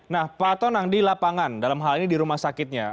nah pak tonang di lapangan dalam hal ini di rumah sakitnya